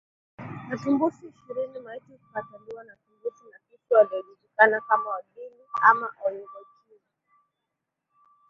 na tumbusi ishirini Maiti kukataliwa na tumbusi na fisi wanaojulikana kama Ondili ama Olngojine